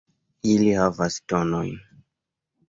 Ili havas tonojn.